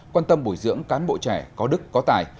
quan tâm bồi dưỡng cán bộ trẻ có đức có tài